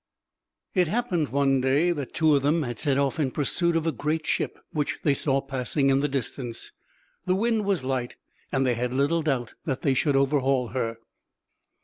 It happened, one day, that two of them had set off in pursuit of a great ship, which they saw passing in the distance. The wind was light, and they had little doubt that they should overhaul her.